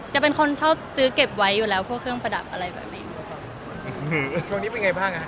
จะเป็นคนชอบซื้อเก็บไว้อยู่แล้วพวกเครื่องประดับอะไรแบบนี้